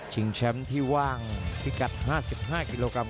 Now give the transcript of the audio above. แชมป์ที่ว่างพิกัด๕๕กิโลกรัม